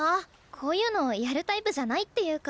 こういうのやるタイプじゃないっていうか。